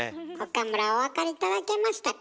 岡村お分かり頂けましたか？